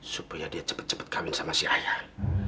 supaya dia cepet cepet kawin sama si ayah